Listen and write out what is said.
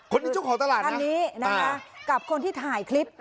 คนนี้เจ้าของตลาดนะอันนี้นะครับกับคนที่ถ่ายคลิป